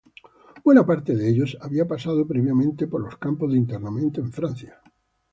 Buena parte de ellos habían pasado previamente por los campos de internamiento en Francia.